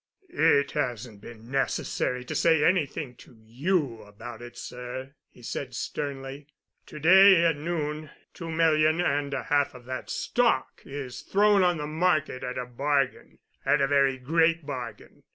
"It hasn't been necessary to say anything to you about it, sir," he said sternly. "To day at noon two million and a half of that stock is thrown on the market at a bargain—at a very great bargain.